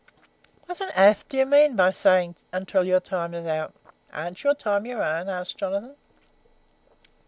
"'What on airth do you mean by saying "until you time is out?" Ain't your time your own?' asked Jonathan.